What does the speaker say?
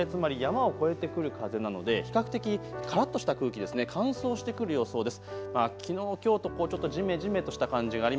北風つまり山を越えてくる風なので比較的からっとした空気、乾燥してくる予想です。